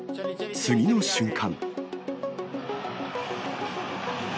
次の瞬間。